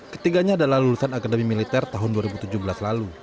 ketiganya adalah lulusan akademi militer tahun dua ribu tujuh belas lalu